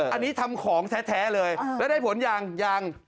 อันนี้ทำของแท้เลยแล้วได้ผลยังยัง